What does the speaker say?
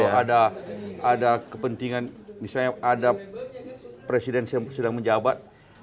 kalau ada kepentingan misalnya ada presiden yang sedang menjabat